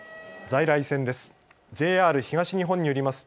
在来線です。